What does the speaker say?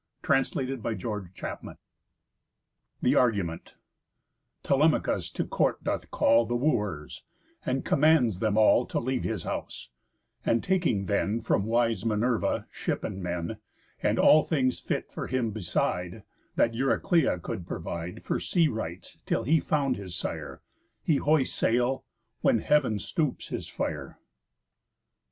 _ THE SECOND BOOK OF HOMER'S ODYSSEYS THE ARGUMENT Telemachus to court doth call The Wooers, and commands them all To leave his house; and taking then From wise Minerva ship and men, And all things fit for him beside, That Euryclea could provide For sea rites till he found his sire, He hoists sail; when Heav'n stoops his fire.